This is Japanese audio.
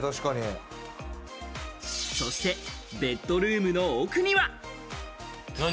そして、ベッドルームの奥には。